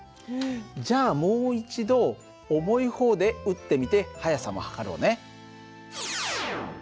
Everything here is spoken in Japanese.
じゃあもう一度重い方で撃ってみて速さも測ろうね。